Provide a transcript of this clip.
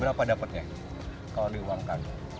berapa dapatnya kalau diumumkan